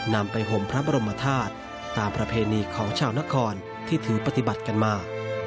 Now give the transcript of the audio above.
นำไปห่มพระบรมธาตุตามประเพณีของชาวนครที่ถือปฏิบัติกันมา